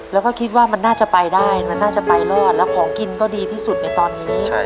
แล้วก็คิดว่ามันน่าจะไปได้มันน่าจะไปรอดแล้วของกินก็ดีที่สุดในตอนนี้